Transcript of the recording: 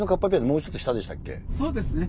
そうですね。